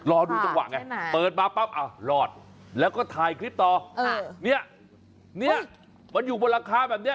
รอดูจังหวะไงเปิดมาปั๊บรอดแล้วก็ถ่ายคลิปต่อเนี่ยเนี่ยมันอยู่บนหลังคาแบบนี้